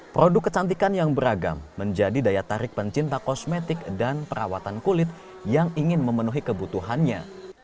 produk kecantikan yang beragam menjadi daya tarik pencinta kosmetik dan perawatan kulit yang ingin memenuhi kebutuhannya